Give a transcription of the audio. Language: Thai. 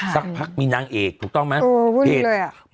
สักพักมีนางเอกถูกต้องไหมเพจ